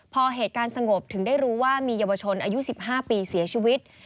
พอเหตุการณ์สงบถึงได้รู้ว่ามีเยาวชนอายุ๑๕ปีเสียชีวิต